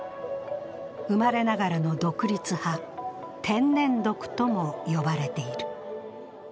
生まれながらの独立派＝天然独とも呼ばれている。